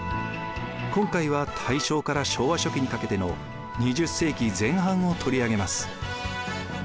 今回は大正から昭和初期にかけての２０世紀前半を取り上げます。